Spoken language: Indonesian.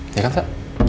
iya kan sir